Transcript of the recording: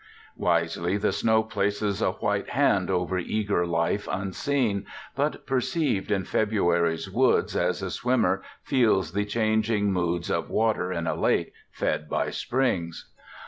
Wisely the snow places a white hand over eager life unseen, but perceived in February's woods as a swimmer feels the changing moods of water in a lake fed by springs.